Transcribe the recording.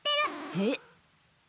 えっ？